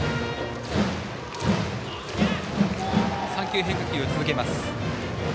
３球、変化球を続けます。